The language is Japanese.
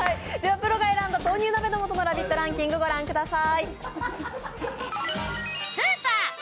プロが選んだ豆乳鍋の素ランキング、ご覧ください。